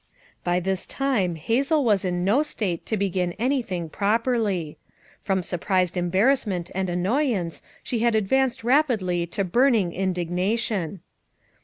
By this time Hazel was in no state to hegin anything properly. From surprised emhar rassment and annoyance, she had advanced rapidly to hurning indignation.